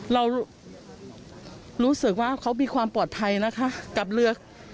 เรารู้สึกว่าเขามีความปลอดภัยนะคะกับเรือ